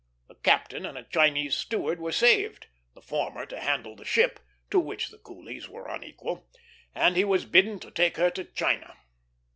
The captain and a Chinese steward were saved; the former to handle the ship, to which the coolies were unequal, and he was bidden to take her to China.